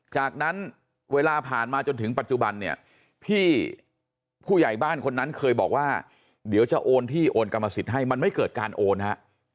จากนั้นเวลาผ่านมาจนถึงปัจจุบันเนี่ยพี่ผู้ใหญ่บ้านคนนั้นเคยบอกว่าเดี๋ยวจะโอนที่โอนกรรมสิทธิ์ให้มันไม่เกิดการโอนฮะ